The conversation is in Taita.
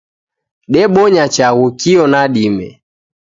Debonya chaghu kio na dime